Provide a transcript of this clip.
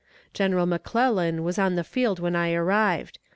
General McClellan was on the field when I arrived.